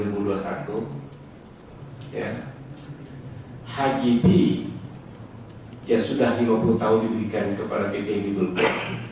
hgb yang sudah lima puluh tahun diberikan kepada pt di golkar